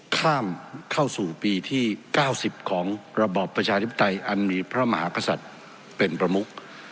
ข้ามเข้าสู่ปีที่๙๐ของระบอบประชาธิปไตยอันมีพระมหากษัตริย์เป็นประมุก